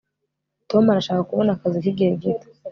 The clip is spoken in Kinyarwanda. tom arashaka kubona akazi k'igihe gito